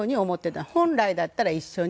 本来だったら一緒に逝くのが。